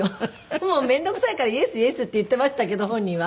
もう面倒くさいから「イエスイエス」って言ってましたけど本人は。